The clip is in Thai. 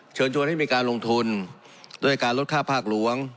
เชิญชวนให้มีการลงทุนด้วยการลดค่าภาคหลวง